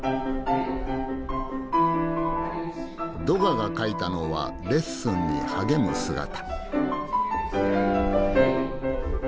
ドガが描いたのはレッスンに励む姿。